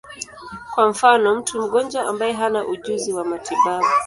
Kwa mfano, mtu mgonjwa ambaye hana ujuzi wa matibabu.